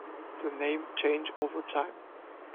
The name changed over time.